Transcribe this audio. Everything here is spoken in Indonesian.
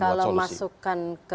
kalau masukkan ke